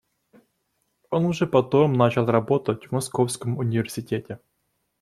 Он уже потом начал работать в Московском университете.